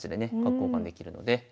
交換できるので。